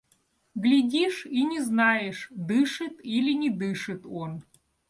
Глядишь и не знаешь: дышит или не дышит он.